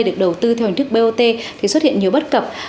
được đầu tư theo hình thức bot thì xuất hiện nhiều bất cập